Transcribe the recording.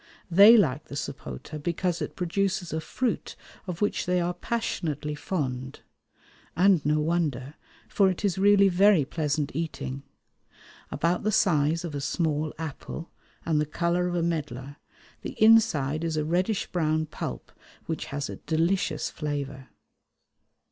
They like the sapota because it produces a fruit of which they are passionately fond. And no wonder, for it is really very pleasant eating. About the size of a small apple and the colour of a medlar, the inside is a reddish brown pulp, which has a delicious flavour.